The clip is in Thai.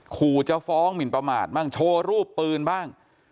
ขู่จะฟ้องหมินประมาทบ้างโชว์รูปปืนบ้าง